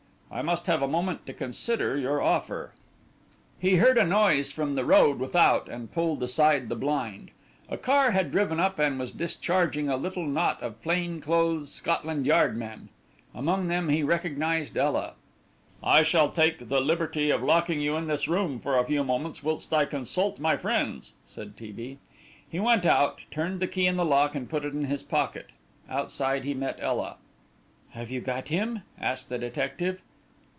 "I must have a moment to consider your offer." He heard a noise from the road without and pulled aside the blind. A car had driven up and was discharging a little knot of plain clothes Scotland Yard men. Amongst them he recognized Ela. "I shall take the liberty of locking you in this room for a few moments whilst I consult my friends," said T. B. He went out, turned the key in the lock and put it in his pocket. Outside he met Ela. "Have you got him?" asked the detective.